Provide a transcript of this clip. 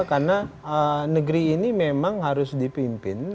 karena negeri ini memang harus dipimpin